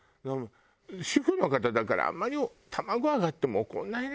主婦の方だからあんまり卵上がっても怒んないでね